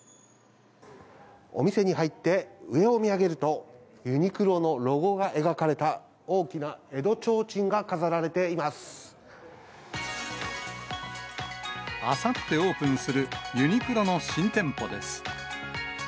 お店に入って上を見上げると、ユニクロのロゴが描かれた、大きな江戸ちょうちんが飾られてあさってオープンするユニクロの新店舗です。